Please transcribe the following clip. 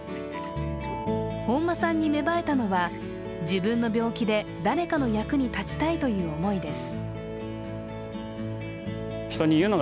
本間さんに芽生えたのは自分の病気で誰かの役に立ちたいという思いです。